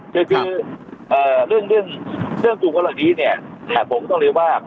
คือคือเอ่อเรื่องเรื่องเรื่องกลุ่มคนเหล่านี้เนี่ยเนี่ยผมก็ต้องลืมว่า